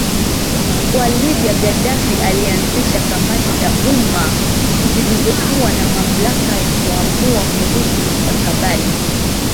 kwa Libya Gaddafi alianzisha kamati za umma zilizokuwa na mamlaka ya kuamua kuhusu mustakabali